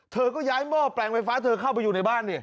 เธอก็ย้ายหม้อแปลงไฟฟ้าเธอเข้าไปอยู่ในบ้านนี่